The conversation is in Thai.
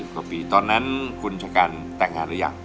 กว่าปีตอนนั้นคุณชะกันแต่งงานหรือยัง